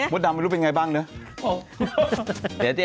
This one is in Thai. มดดำไม่รู้เป็นยังไงบ้างเนี่ย